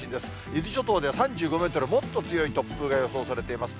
伊豆諸島では３５メートル、もっと強い突風が予想されています。